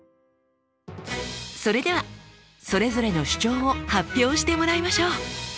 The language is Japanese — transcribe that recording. それではそれぞれの主張を発表してもらいましょう。